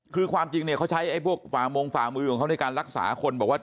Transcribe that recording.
คือความจริงเขาใช้พวกฝามงฝามือของเขาในการรักษาคน